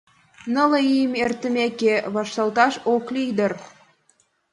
Нылле ийым эртымеке, вашталташ ок лий дыр.